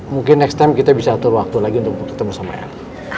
mungkin next time kita bisa atur waktu lagi untuk ketemu sama air